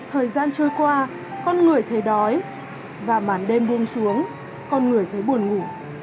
thời gian trôi qua con người thấy đói và màn đêm hôm xuống con người thấy buồn ngủ